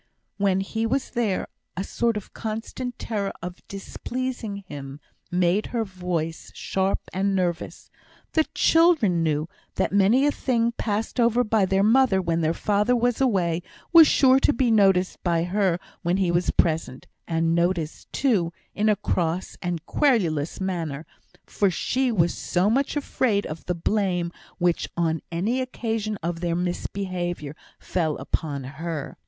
When he was there, a sort of constant terror of displeasing him made her voice sharp and nervous; the children knew that many a thing passed over by their mother when their father was away, was sure to be noticed by her when he was present; and noticed, too, in a cross and querulous manner, for she was so much afraid of the blame which on any occasion of their misbehaviour fell upon her.